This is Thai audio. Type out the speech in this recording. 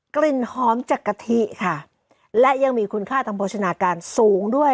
กลิ่นหอมจากกะทิค่ะและยังมีคุณค่าทางโภชนาการสูงด้วย